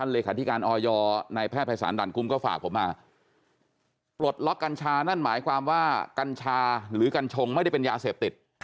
แล้วกัญชานั่นหมายความว่ากัญชาหรือกัญชงไม่ได้เป็นยาเสพติด